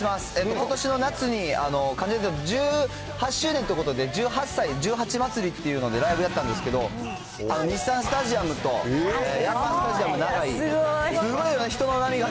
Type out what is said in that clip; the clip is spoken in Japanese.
ことしの夏に、関ジャニ∞１８周年ということで、１８祭、１８まつりっていうので、ライブやったんですけど、日産スタジアムとヤンマースタジアム長居、すごいね。